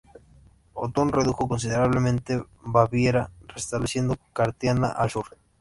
Otón redujo considerablemente Baviera, restableciendo Carintia al sur.